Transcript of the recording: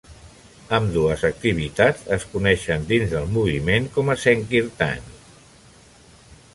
Ambdues activitats es coneixen dins del moviment com a "Sankirtan".